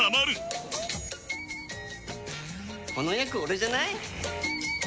この役オレじゃない？